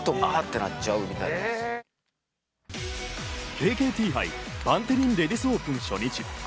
ＫＫＴ杯バンテリンレディスオープン初日。